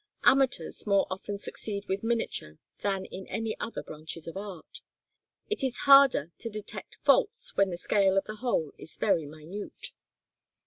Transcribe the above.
Amateurs more often succeed with miniature than in any other branches of art. It is harder to detect faults when the scale of the whole is very minute.